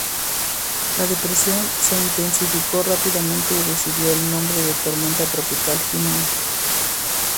La depresión se intensificó rápidamente y recibió el nombre de tormenta tropical Jimena.